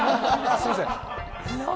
すみません。